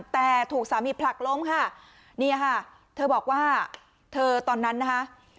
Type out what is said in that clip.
แต่ถูกสามีผลักล้มค่ะนี่ค่ะเธอบอกว่าเธอตอนนั้นนะคะ